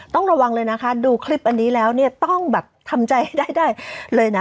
ต้องระวังเลยนะคะดูคลิปอันนี้แล้วเนี่ยต้องแบบทำใจให้ได้เลยนะ